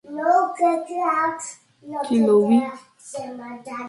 Ilé iṣé ọlọ́pàá ti rọ àwọn akọ̀ròyìn láti lépa àlááfíà lórí ìṣẹ̀lẹ̀ ìjẹta